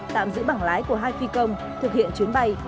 tạm giữ bằng lái của hai phi công thực hiện chuyến bay